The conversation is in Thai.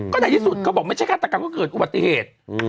ก็ใดใดที่สุดเค้าบอกไม่ใช่คัดตรรกรรมก็เกิดคืออุปัติเหตุ